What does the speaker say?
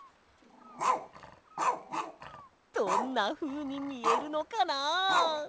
どんなふうにみえるのかな。